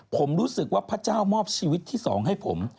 ผมรู้สึกว่าพระเจ้ามอบชีวิตที่๒ให้ผม